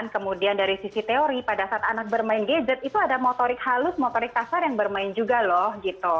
kemudian dari sisi teori pada saat anak bermain gadget itu ada motorik halus motorik kasar yang bermain juga loh gitu